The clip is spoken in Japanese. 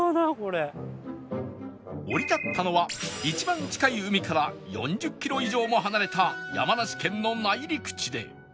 降り立ったのは一番近い海から４０キロ以上も離れた山梨県の内陸地で